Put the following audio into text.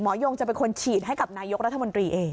ยงจะเป็นคนฉีดให้กับนายกรัฐมนตรีเอง